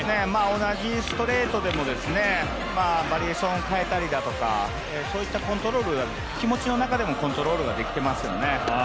同じストレートでもバリエーション変えたりだとかそういったコントロール、気持ちの中でもコントロールができていますよね。